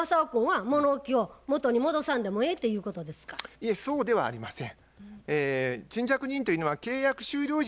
いえそうではありません。